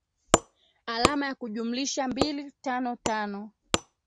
alama ya kujumlisha mbili tano tano